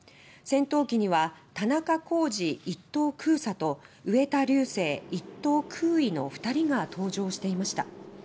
戦闘機には田中公司１等空佐と植田竜生１等空尉の２人が搭乗していました。